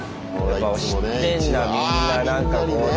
やっぱ知ってんだみんななんかこうね。